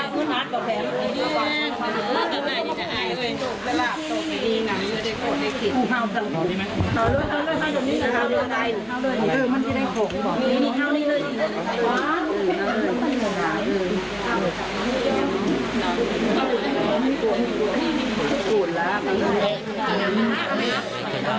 ตอนนี้ก็ไม่มีเวลาให้กลับมาเที่ยวกับเวลา